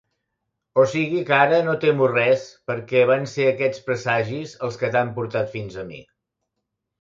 O sigui que ara no temo res, perquè van ser aquests presagis els que t'han portat fins a mi.